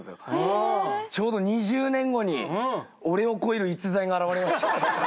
ちょうど２０年後に俺を超える逸材が現れました。